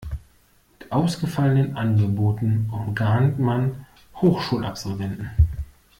Mit ausgefallenen Angeboten umgarnt man Hochschulabsolventen.